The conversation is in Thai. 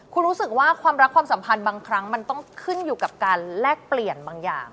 คุณรู้สึกว่าความรักความสัมพันธ์บางครั้งมันต้องขึ้นอยู่กับการแลกเปลี่ยนบางอย่าง